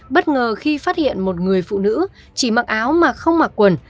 bất ngờ khi phát hiện một người phụ nữ chỉ mặc áo mà không mặc quần